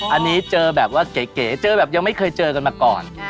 อันนี้เจอแบบว่าเก๋เจอแบบยังไม่เคยเจอกันมาก่อน